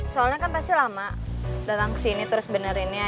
soalnya kan pasti lama datang ke sini terus benerinnya